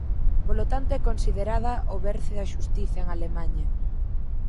Polo tanto é considerada o berce da xustiza en Alemaña.